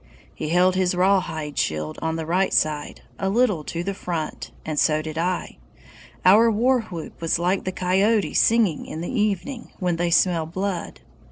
He held his rawhide shield on the right side, a little to the front, and so did I. Our warwhoop was like the coyotes singing in the evening, when they smell blood!